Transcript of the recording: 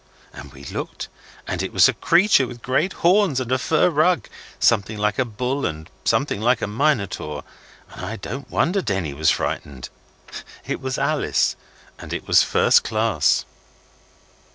And we looked, and it was a creature with great horns and a fur rug something like a bull and something like a minotaur and I don't wonder Denny was frightened. It was Alice, and it was first class.